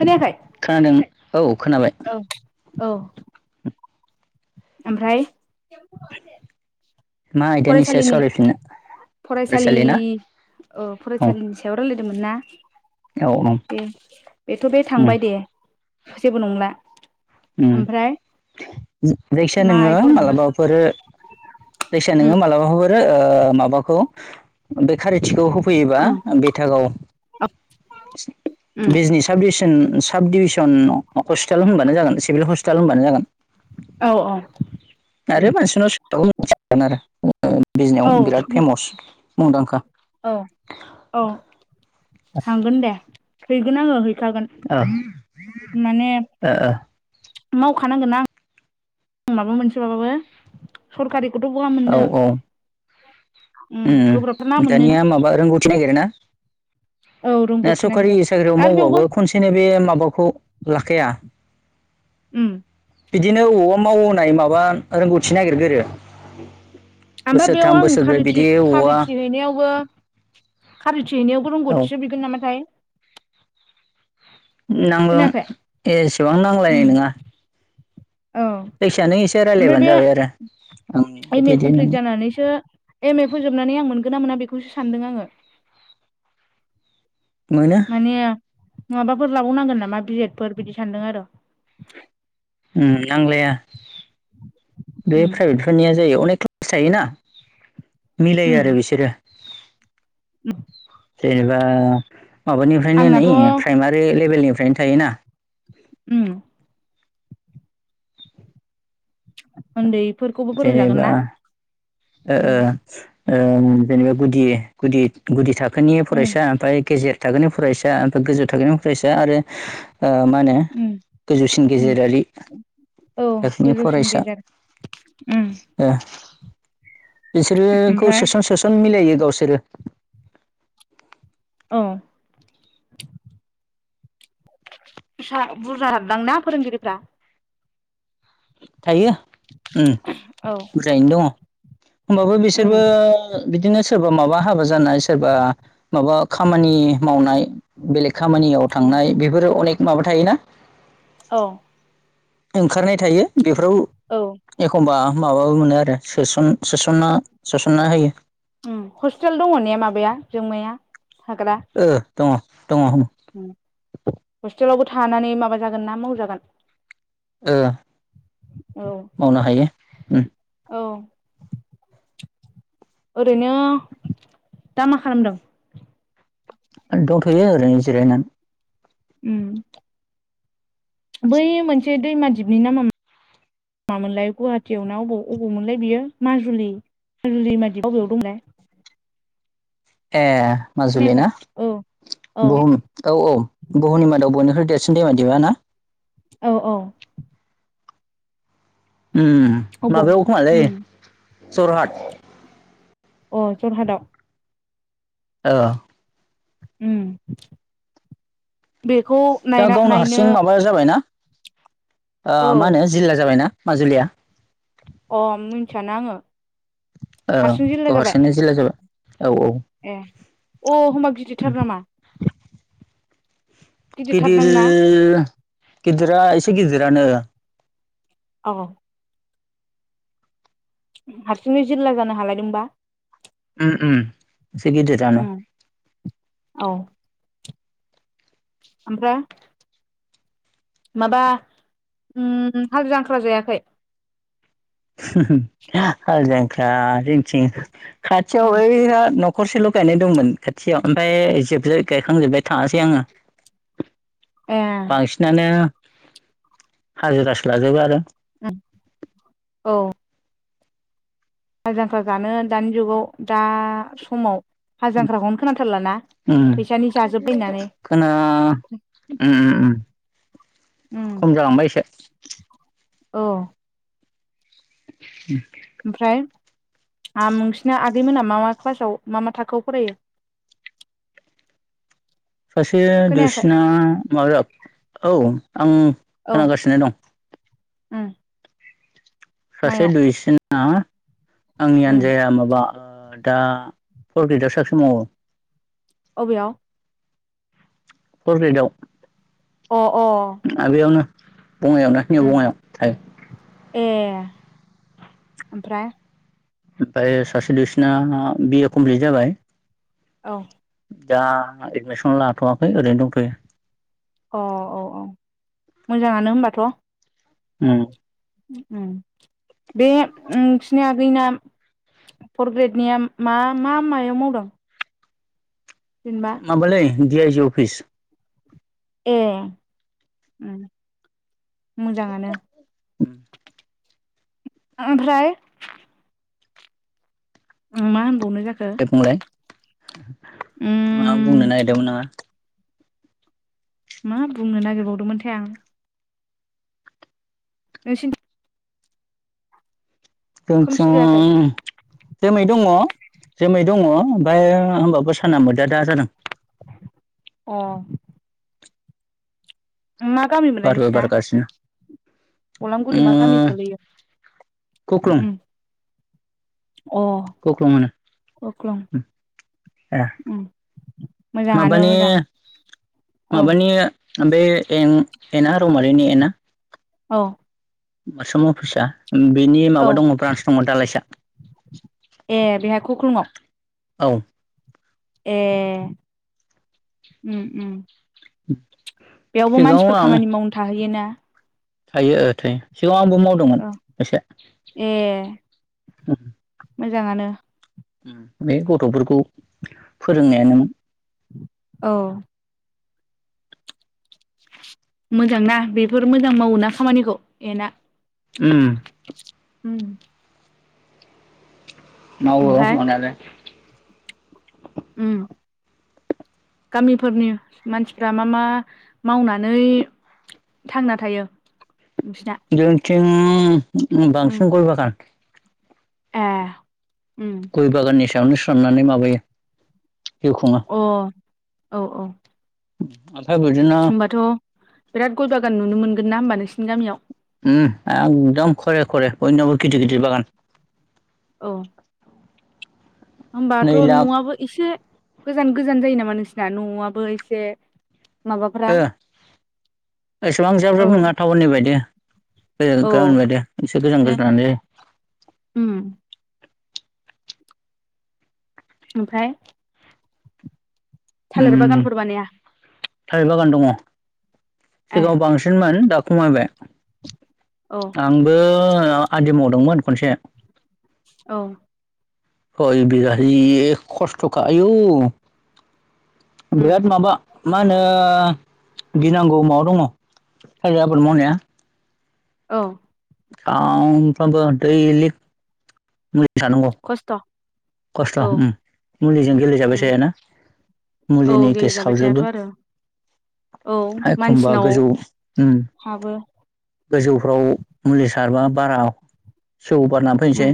खोनायाखै खोनादों औ खोनाबाय औ ओमफ्राय मा आयदानिसो फरायसालिनि सावरायफिननो फरायसालि औ फरायसालिनि सायाव रायलायदों मोन ना औ दे बेथ' बे उम थांबाय दे जबो नला उम जाखिजाया मा नोङो आयदा फरायबावनो मालाबाफोर जायखिजाया उम नोङो मालाबाफोर [unintelligible] ओ माबाखौ बे खारिथिखौ होफैयोबा उम बेथागाव उम बिजनि साब डिज ओ साब डिभिसन हस्पिटाल होनब्लानो जागोन। सिभिल हस्पिटाल होनबानो जागोन औ औ आरो मानसिनाव [unintelligible] मिथिगोन आरो। ओ बिजनीयाव औ बिराद फेमस मुंदांखा। औ औ थांगोन दे हैगोन आङो। हैखागोन ओ माने मावखानांगोनना आं। आं माबा मोनसे बाबो सरखारिखौथ' बहा मोननो। औ औ उम गोब्राबथार ना ओ मोननो दानिया माबा रोंगौथि नागिरो ना? औ ए रोंगौथि सरखारि नागिरो साख्रियाव आरो बेयावबो मावबाबो खनसेनो बे माबाखौ लाखाया? ओम। बिदिनो बबावबा मावोनाय माबा रोंगौथि नागिरग्रोयो। ओमफाय बेयाव आं खारिथि खारिथि हैनायावबो खारिथि हैनायावबो औ रोंग'थिसो बिगोन नामाथाय नांगौ खोनायाखै एसेबां उम नांलायनाय नङा। औ जायखिजाया नों एसे ओमफ्राय रायज्लायबानो बे जाबाय आरो। आं एम बिदि ए बिदि कमप्लिट होननानै जानानैसो एम ए फोजोबनानै आं मोनगोन ना मोना बे खौसो सानदों आङो। मोनो माने माबाफोर लाबावनांगोन नामा बियेदफोर बिदि सानदों आरो। ओम नांलाया बे उम प्राइभेटफोरनिया जायो अनेक [unintelligible] सायोना उम मिलायो आरो बिसोरो। [unintelligible] जेनेबा माबानिफ्रायनो नै आंनाथ' उम प्राइमारि लेभेलनिफ्रायनो थायोना। ओम। उन्दै जेनेबा ओ उम ओ। ओ जेनेबा गुदि गुदि गुदि थाखोनि उम फरायसा ओमफ्राय गेजेर थाखोनि फरायसा ओमफ्राय गोजौ थाखोनि फरायसा आरो ओ मा होनो उम गोजौसिन उम गेजेरारि औ थाखोनि गोजौसिन फरायसा गेजेर। उम ओ। बिसोरोखौ ओमफ्राय सोसन सोसन मिलायो गावसोरो। औ। सा बुरजा हाबदोंना फोरोंगिरिफ्रा? थायो ओम औ बुरजायैनो दङ। होमबाबो उम बिसोरबो बिदिनो सोरबा माबा हाबा जानाय सोरबा माबा खामानि मावनाय बेलेग खामानियाव उम थांनाय बेफोरो अनेक माबा थायोना। औ। ओंखारनाय थायो औ बेफोराव एखमबा माबाबो मोनो आरो सोसन सोसनना सोसनना होयो। ओम हस्टेल दङ ने माबाया जोंमाया? थाग्रा ओ दङ। दङ ओ हस्टेलावबो थानानै माबा जागोन ना मावजागोन? ओ औ मावनो हायो ओम। ओरैनो दा मा खालामदों? दंथ'यो ओरैनो जिरायनानै। ओम। बै मोनसे दैमा दिपनि नामा मामोनलाय गुवाहाटियाव ना अबाव-अबाव मोनलाय बियो माजुलि माजुलि मादि अबेयाव दं मोनलाय? ए माजुलि ना औ औ बुहुम औ औ बुहुमनि मादाव बयनिफाय देरसिन दैमा दिपआ ना? औ औ उम उम अबाव माबायाव खोमालै उम जरहाट अ जरहाटआव ओव उम बेखौ दा नायना गावनो नायनो हारसिं माबा जाबायना ओ औ मा होनो जिल्ला जाबायना माजुलिया अ मिथियाना आंङो ओ हारसिं जिल्ला गाव जाबाय हारसिंनो जिल्ला जाबाय औ औ ए। अ होनबा बिदिरथार नामा? गिदिर गिदिरथारदां ना गिदिरा एसे गिदिरानो औ हारसिंनो जिल्ला जानो हालायदोंबा उम उम एसे गिदिरानो उम औ ओमफ्राय माबा उम हाल जांख्रा जायाखै? [unintelligible] हाल जांख्रा जोंथि खाथियाव उम ओइ हा नख खरसेल गायनाय दंमोन खाथियाव ओमफ्राय जोब गायखांजोब्बाय थांङासै आंङो ए बांसिनानो हाजिरासो लाजोबो आरो [unintelligible] औ हाल जांख्रा जानो दानि जुगाव दा समाव हाज जांख्राखौनो खोनाथारलाना उम फैसानि जाजोब्बाय होननानै खोना उम उम उम उम खम जालांबाय इसे। औ उम ओमफ्राय आम नोंसिना आगैमोना मा मा क्लासाव मा मा थाखोआव फरायो? सासे खोनायाखै दुइसिना माबायाव औ आं औ खोनागासिनो दं उम सासे मायाव दुइसिना आंनि उम आनजाया माबा ओ दा फर ग्रेदआव सासे मावो। अबेयाव? फर ग्रेदआव अ अ बंङाइ ना निउ उम बंङाइयाव थायो ए ओमफ्राय? ओमफ्राय सासे दुइसिना बिए कमप्लिट जाबाय। औ दा एडमिसन लाथवाखै ओरैनो दंथयो। अ औ औ मोजांङानो होनबाथ' उम उम बे ओ नोंसिनि आगैना फर ग्रेडनिया मा मा मायाव मावदों? जेनेबा माबालै दि आइ जि अफिस ए उम मोजांङानो ओमफ्राय मा होनबावनो जाखो? दे बुंलाय मा बुंनो उम नागिरदोंमोन नोङो मा बुंनो नागिर बावदोंमोनथाय आं नोंसिनि खोमसि जोंथिं जायाखै जोमै दङ। जोमै दङ ओमफ्राय होमबाबो साना मोदा दा जादों। अ मा गामिमोनलाय बारबो नोंसिना? बारगासिनो अलामगुरि उम मा गामि गोलैयो? खख्लं अ गख्रं होनो। अख्लं उम मोजाङानो माबानि मोजां औ माबानि बे एना रौमारिनि एना औ [unintelligible] अफिसा बेनि माबा औ दङ ब्रान्स दङ दालाइसा। खक्लुंआव? औ ए उ उ [inaudible] बेयावबो सिगाङाव मानसिफोर आं खामानि मावनो थाहैयोना? थायो थायो सिगां आंबो मावदोंमोन औ एसे। ए [inaudible] मोजाङानो। बे गथ'फोरखौ फोरोंनायानो मोन। औ मोजां ना बेफोर मोजां मावो ना खामानिखौ एना उम उम मावो ओमफाय मावनायालाय उम गामिफोरनि मानसिफ्रा मा मा मावनानै थांना थायो नोंसिना? [unintelligible] उम बांसिन गय बागान। ए उम गय बागाननि सायावनो सोनारनानै माबायो जिउ खुङो अ औ औ ओमफ्राय बिदिनो होमबाथ' बिराद गय बागान नुनो मोनगोन ना होमबा नोंसिनि गामियाव? उम एखदम खरे खरे बयनाबो गिदिर गिदिर बागान। औ नै होमबाथ' लाख न'आबो एसे गोजान गोजान जायो नामा नोंसिना न'आबो एसे माबाफ्रा ओ एसेबां ज्राब औ ज्राब नङा टाउननि बायदि। गामिनि औ बायदि इसे गोजान ने गोजानानो जायो। उम ओमफ्राय थालिर उम बागानफोर बानाया? थालिर बागान दङ ए सिगाङाव बांसिनमोन दा खमायबाय। औ आंबो आदि मावदोंमोन खनसे। औ [unintelligible] बिलाहि खस्थ'खा आयु उम बिराद माबा मा होनो गिनांगौ माबा दङ सारि आबाद मावनाया औ सानफ्रोमबो दैलि मु थानांगौ खस्थ' खस्थ' औ ओम मुलिजों गेलेेजाबाय उम थायाना औ मुलिनि गेलेजाबाय थायाथ' गेसहाबजोबो आरो औ एखमबा मानसिनाव गोजौ ओम हाबो गोजौफ्राव मुलि सारबा बारा सौ बारना फैनोसै उम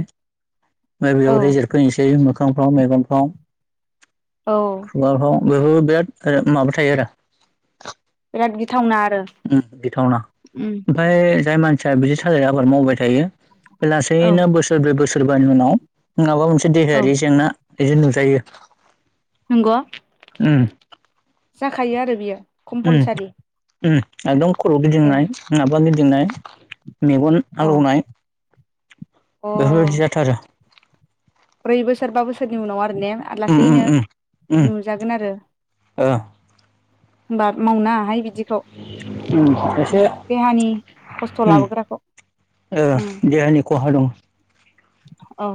बाय औ बेयाव रेजेट फैनोसै मोखांफ्राव मैगन फ्राव औ। बेफोर बिराद माबा थायो आरो बिराद गिथावना आरो ओम गिथावना उम ओमफाय जाय मानसिया बिदि साजाय आबाद मावबाय थायो। औ बेलासैनो बोसोरब्रै बोसोरबानि उनाव माबा मोनसे औ देहायारि जेंना नुजायो। नंग' उम जाखायो आरो बियो कमपलसारि। ओम एकदम खर' गिदिंनाय माबा गिदिंनाय। मेगन औ आलौनाय अ बेफोरबायदि जाथारो। ब्रै बोसोर बा बोसोरनि उनाव आरो ने आ उम उम लासैनो उम उम नुजागोन आरो ओ होनबा मावनाहाय बिदि खौ उम ओम एसे देहानि खस्थ' उम लाबोग्राखौ ओ उम देहानि खहा दं। औ।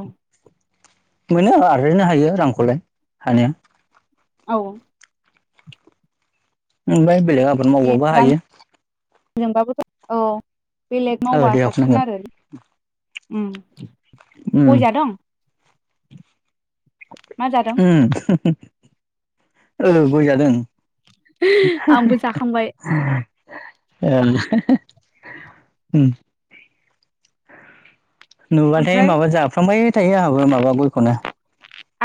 मोनो आरैनो हायो रांखौलाय हानाया औ। ओमबाय बेलेग आबाद मावबाबो हायो। जोंबाबोथ' औ बेलेग ओ मावबा देहाखौ साबसिन नांगोन आरो। ओम उम गय जादों आं। ओम औ गयजादों। आंबो [unintelligible] जाखांबाय ओम नुबाथाय ओमफ्राय माबा जाफ्लांबाय थायो आंहाबो माबा गयखौनो।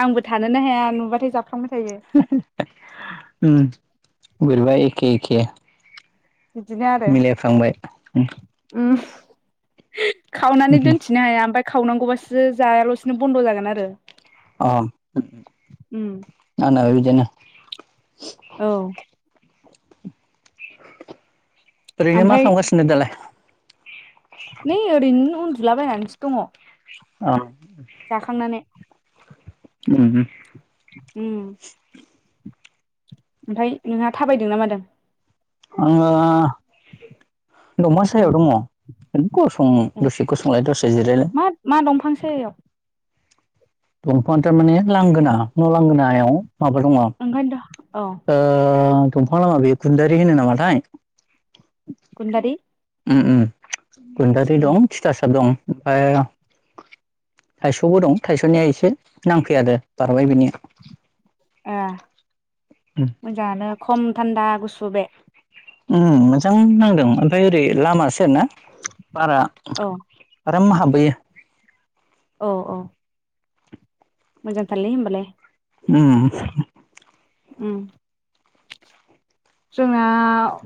आंबो थानोनो हाया नुबाथाय जा [unintelligible] ओम बोरैबा एखे एखे । बिदिनो आरो उम ओम । खावनानै उम दोनथिनो हाया आमफाय खावनांगौबासो जायाल'स नो बन्द' जागोन आरो अ उम आंनाबो बिदिनो औ ओरैनो मा ओमफ्राय खालामगासिनो दालाय? नै ओरैनो उन्दुलाबायनानैसो दङ। औ। जाखांनानै ओम ओम ओमफाय नोंहा थाबायदों ना मादों? आंङो! दफां उम सायाव दङ गसं ए दसे गसंलाय दसे जिरायलाय। मा मा दंफां सायायाव दंफां थारमाने लांगोना न' लांगोनायाव माबा दङ ओंखायनोथ' औ ओ दंफां लामा बे गुन्दारि होनो नामाथाय गुदारि उम उम गुन्दारि दं थिथासाब दं। ओमफ्राय थाइस'बो दं थाइस'निया एसे नांफैया दे बारबाय बिनिया। ए उम [inaudible] मोजाङानो खम थान्दा गुसु बे। उम मोजां नांदों ओमफ्राय ओरै लामा सेर ना। बारा औ आराम हाबबोयो औ औ मोजां थारलै होनबालाय। उम उम जोंना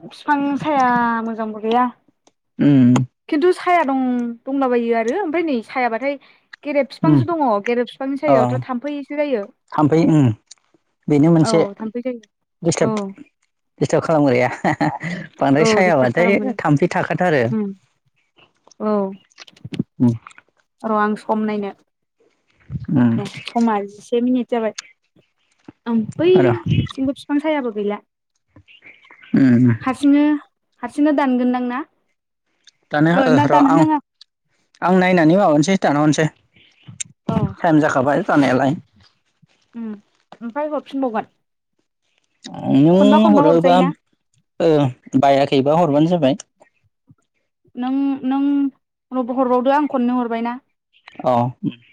बिफां साया मोजांबो गैया। उम खिन्थु साया दं दंलाबायो आरो ओमफ्राय नै सायाबाथाय गेरेब उम बिफांसो दङ गेरेब बिफांनि अ सायावथ' थाम्फैसो जायो। थाम्फै उम बेनो औ मोनसे थाम्फै जायो औ दिस्टाब दिस्टार खालामग्राया । बांद्राय औ दिस्टार्ब सायाबाथाय खालामगोन थाम्फै थाखाथारो। उम औ उम [inaudible] र' आं सम नायनो उम ए समा जिसे मिनिट जाबाय। आं र' बैथिंबो बिफां सायाबो गैला उम [inaudible] हारसिंनो हारसिंनो दानगोनदां ना? दानो ओ ओह ना र' आं दानहोनाङा आं नायनानै माबानोसै दाना हरसै। औ थाइम जाखाबाय जानायालाय। उम ओमफ्राय हरफिनबावगोन? खनबा नों खनबा हरोबा हरजायोना ओ बायाखै बा हरबानो जाबाय नों नों हरबावदो आं खननो हरबायना। अ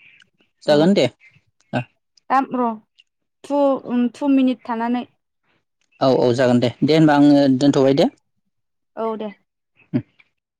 [inaudible] औ जागोन दे ओ दा र' टु टु मिनिट थानानै औ औ जागोन दे दे हबा आङो दोनथ'बाय दे। औ दे उम